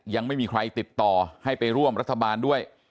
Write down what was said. ยังไม่มีใครติดต่อให้ไปร่วมรัฐบาลด้วย